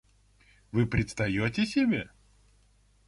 Вы предстаете себе!